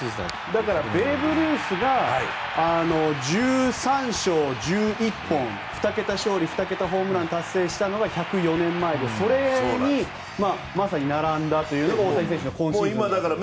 ベーブ・ルースが１３勝１１本の２桁勝利２桁ホームランを達成したのは１０４年前でそれにまさに並んだというのが大谷選手の今シーズンですよね。